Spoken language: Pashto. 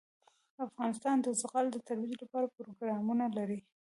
افغانستان د زغال د ترویج لپاره پروګرامونه لري.